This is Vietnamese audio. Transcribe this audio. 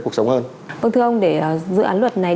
cuộc sống hơn vâng thưa ông để dự án luật này